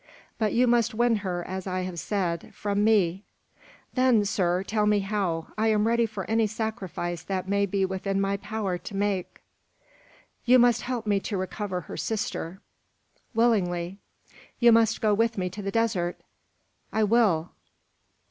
"But you must win her, as I have said, from me." "Then, sir, tell me how. I am ready for any sacrifice that may be within my power to make." "You must help me to recover her sister." "Willingly." "You must go with me to the desert." "I will."